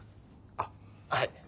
あっはい。